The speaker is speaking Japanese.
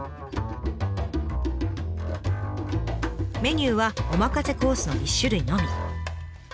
メニューはお任せコースの１種類のみ。